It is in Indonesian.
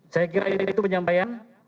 saya kira itu penyampaian